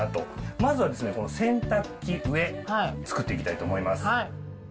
まずはですね、洗濯機上、作っていきたいと思います。